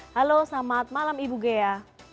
halo selamat malam ibu ghea